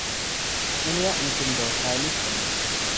ᱩᱱᱤᱭᱟᱜ ᱧᱩᱛᱩᱢ ᱫᱚ ᱠᱟᱭᱞᱤᱥ ᱠᱟᱱᱟ᱾